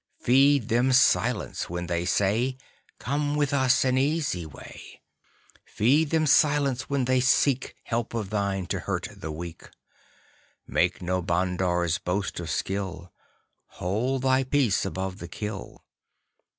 Feed them silence when they say: "Come with us an easy way." Feed them silence when they seek Help of thine to hurt the weak. Make no bandar's boast of skill; Hold thy peace above the kill.